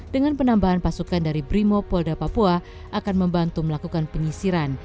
dengan penambahan pasukan dari brimo polda papua akan membantu melakukan penyisiran